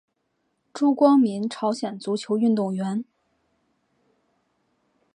朱光民朝鲜足球运动员。